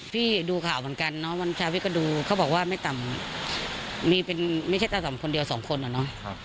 พี่ดูข่าวเหมือนกันเนาะวันเช้าพี่ก็ดูเขาบอกว่าไม่ต่ำมีเป็นไม่ใช่ตาสำคนเดียวสองคนอะเนาะ